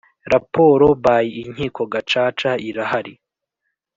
Raporo by Inkiko Gacaca irahari.